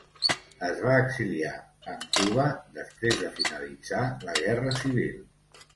Es va exiliar en Cuba després de finalitzar la guerra civil.